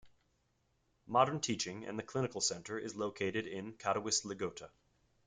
Modern teaching and the clinical Center is located in Katowice -Ligota.